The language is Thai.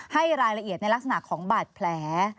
ให้รายละเอียดในลักษณะของบาดแผล